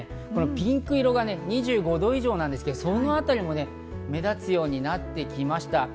ピンク色が２５度以上なんですが、そのあたりも目立つようになってきました。